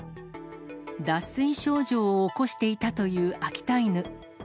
脱水症状を起こしていたという秋田犬。